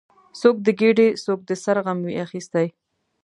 څوک د ګیډې، څوک د سر غم وي اخیستی